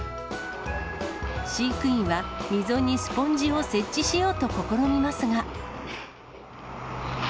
飼育員は溝にスポンジを設置しようと試みますが。